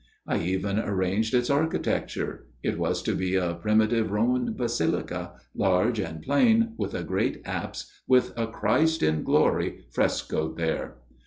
I even arranged its architecture ; it was to be a primitive Roman basilica, large and plain, with a great apse with a Christ in glory frescoed there.